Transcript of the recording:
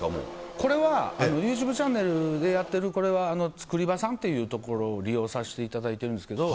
これは、ユーチューブチャンネルでやってる、これはつくりばさんという所を利用させていただいてるんですけど。